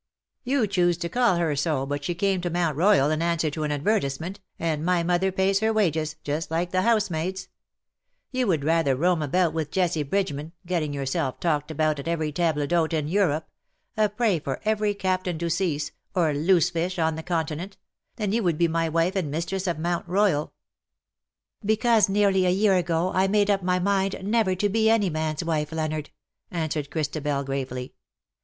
''" You choose to call her so — but she came to Mount Royal in answer to an advertisement, and my mother pays her wages, just like the housemaids. ^^LOVE WILL HAVE HIS DAY." 85 You would rather roam about with Jessie Bridgeman, gettiDg yourself talked about at every table d^hote in Europe — a prey for every Captain Deuceace, or Loosefishj on the Continent — than you would be my wife, and mistress of Mount Royal.''' " Because nearly a year ago I made up my mind never to be any man^s wife^, Leonard/'' answered Christabel, gravely.